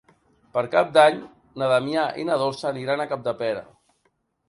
Per Cap d'Any na Damià i na Dolça aniran a Capdepera.